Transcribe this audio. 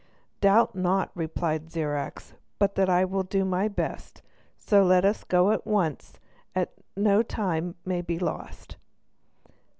"Doubt not," replied Zirac, "but that I will do my best, so let us go at once that no time may be lost."